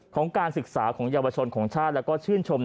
ของการศึกษาของเยาวชนของชาติแล้วก็ชื่นชม